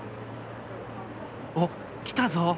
おっ来たぞ！